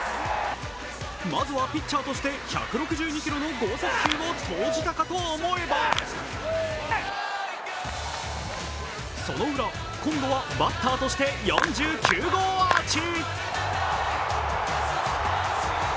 まずはピッチャーとして１６２キロの剛速球を投じたかと思えばそのウラ、今度はバッターとして４９号アーチ。